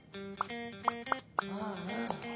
ああ。